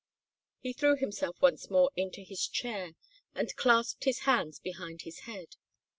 He threw himself once more into his chair and clasped his hands behind his head.